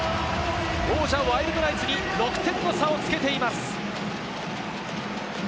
王者・ワイルドナイツに６点の差をつけています。